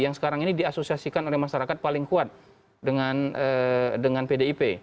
yang sekarang ini diasosiasikan oleh masyarakat paling kuat dengan pdip